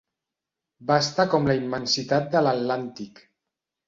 Vasta com la immensitat de l'Atlàntic.